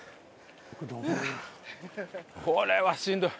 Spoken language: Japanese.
これはしんどい。